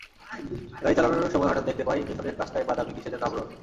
গাড়ি চালানোর সময় হঠাৎ দেখতে পাই, পেছনের কাচটায় বাদামি কিসের যেন আবরণ।